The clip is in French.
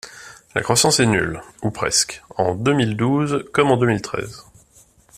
La croissance est nulle, ou presque, en deux mille douze comme en deux mille treize.